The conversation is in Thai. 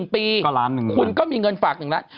๑ปีคุณก็มีเงินฝาก๑ล้าน